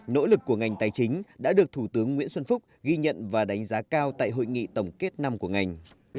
nỗ lực của ngành tài chính đã được thủ tướng nguyễn xuân phúc ghi nhận và đánh giá cao tại hội nghị tổng kết năm của ngành